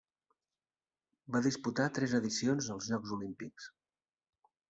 Va disputar tres edicions dels Jocs Olímpics.